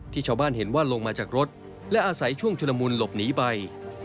ชาวบ้านเห็นว่าลงมาจากรถและอาศัยช่วงชุลมุนหลบหนีไป